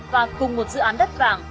và cùng một dự án đất vàng